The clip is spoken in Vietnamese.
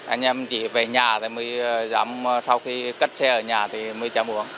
anh em chỉ về nhà thì mới dám sau khi cất xe ở nhà thì mới chém uống